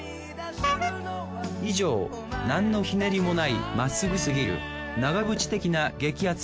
以上何のひねりもないまっすぐすぎる長渕的な激アツ